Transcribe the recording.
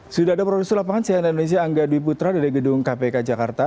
sudah ada produsen lapangan siang di indonesia angga dwi putra dari gedung kpk jakarta